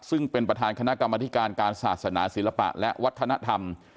ซึ่งเป็นประธานคณะกรรมธิการการศาสนาศิลปะและวัฒนธรรม